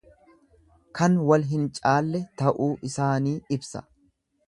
Kan wal hin caalle ta'uu isaani ibsa.